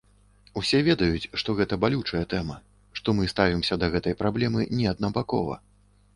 Усе ведаюць, што гэта балючая тэма, што мы ставімся да гэтай праблемы не аднабакова.